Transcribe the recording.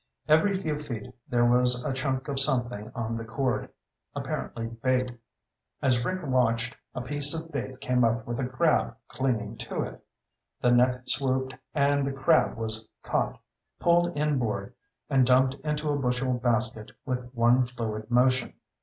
Every few feet there was a chunk of something on the cord, apparently bait. As Rick watched, a piece of bait came up with a crab clinging to it. The net swooped and the crab was caught, pulled inboard, and dumped into a bushel basket with one fluid motion.